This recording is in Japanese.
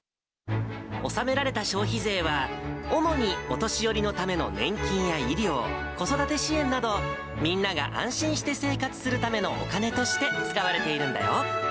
納められた消費税は、主にお年寄りのための年金や医療、子育て支援など、みんなが安心して生活するためのお金として使われているんだよ。